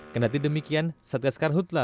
kedati demikian satgas karhutlah